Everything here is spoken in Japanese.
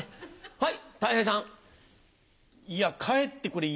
はい！